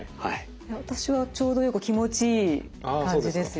私はちょうどよく気持ちいい感じですよ。